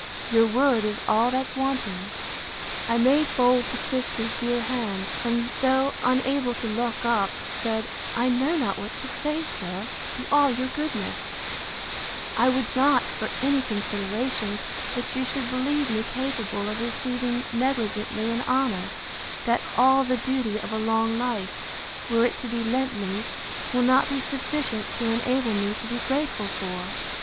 Your word is all that's wanting. I made bold to kiss his dear hand; and, though unable to look up, said—I know not what to say, sir, to all your goodness: I would not, for any consideration, that you should believe me capable of receiving negligently an honour, that all the duty of a long life, were it to be lent me, will not be sufficient to enable me to be grateful for.